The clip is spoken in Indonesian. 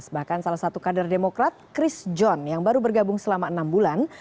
bahkan salah satu kader demokrat chris john yang baru bergabung selama enam bulan